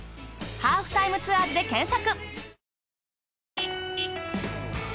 『ハーフタイムツアーズ』で検索！